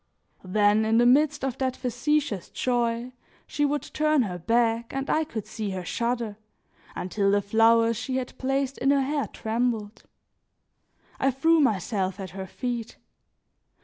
Then in the midst of that factitious joy, she would turn her back and I could see her shudder until the flowers she had placed in her hair trembled. I threw myself at her feet.